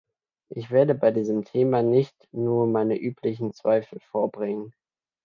Ich werde bei diesem Thema nicht nur meine üblichen Zweifel vorbringen.